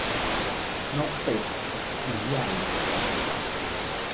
นกเป็ดผีใหญ่